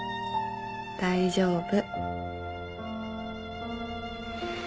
大丈夫。